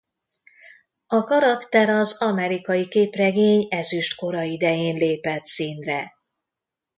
A karakter az amerikai képregény ezüstkora idején lépett színre.